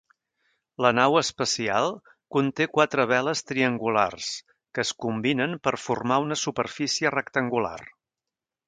La nau espacial conté quatre veles triangulars, que es combinen per formar una superfície rectangular.